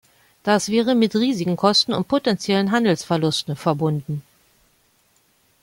Das wäre mit riesigen Kosten und potenziellen Handelsverlusten verbunden.